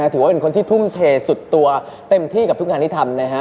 ถือว่าเป็นคนที่ทุ่มเทสุดตัวเต็มที่กับทุกงานที่ทำนะฮะ